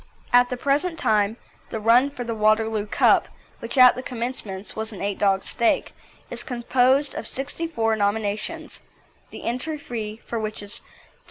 At the present time the run for the Waterloo Cup, which at the commencement was an eight dog stake, is composed of sixty four nominations, the entry fee for which is P25.